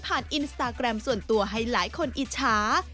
อินสตาแกรมส่วนตัวให้หลายคนอิจฉา